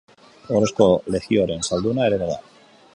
Ohorezko Legioaren zalduna ere bada.